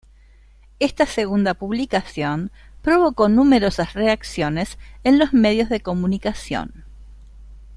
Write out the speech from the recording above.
Esta segunda publicación provocó numerosas reacciones en los medios de comunicación.